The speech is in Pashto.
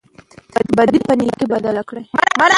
بدي په نېکۍ بدله کړئ.